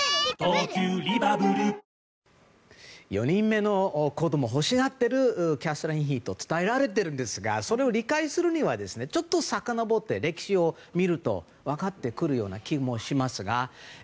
４人目の子供を欲しがっているキャサリン妃と伝えられているんですがそれを理解するにはちょっとさかのぼって歴史を見ると分かってくるような気もしますが。